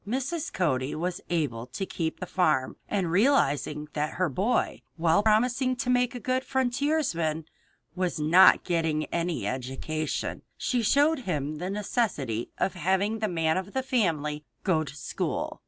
Mrs. Cody was able to keep the farm, and realizing that her boy, while promising to make a good frontiersman, was not getting any education, she showed him the necessity of having the "man of the family" go to school.